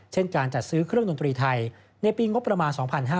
เช่นการจัดซื้อเครื่องดนตรีไทยในปีงบประมาณ๒๕๕๙